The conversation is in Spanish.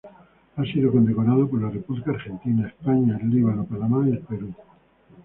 Ha sido condecorado por la República Argentina, España, el Líbano, Panamá y el Perú.